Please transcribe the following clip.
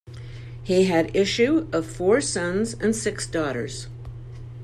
He had issue of four sons and six daughters.